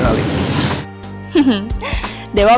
dewa pasti langsung baper